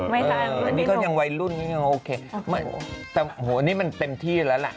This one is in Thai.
ไม่สาวมันเป็นลุกอ๋อแต่นี่ก็ยังไวรุ่นยังโอเคแต่โอ้โหแต่โหนี่มันเต็มที่แล้วล่ะ